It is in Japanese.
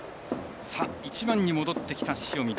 １番に戻ってきた塩見。